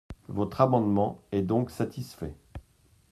Votre amendement est donc satisfait.